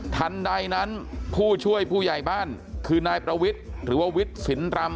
ทันใดนั้นผู้ช่วยผู้ใหญ่บ้านคือนายประวิทย์หรือว่าวิทย์สินรำ